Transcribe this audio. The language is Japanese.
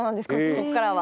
ここからは。